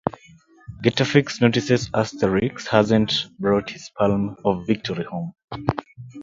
Getafix notices Asterix hasn't brought his Palm of Victory home.